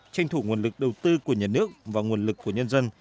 tranh thủ nguồn lực đầu tư của nhà nước và nguồn lực của nhân dân